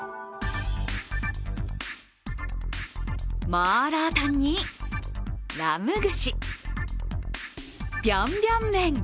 マーラータンにラム串、ビャンビャン麺。